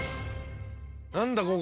何だ？